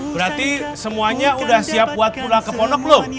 berarti semuanya udah siap buat pulang ke ponok belum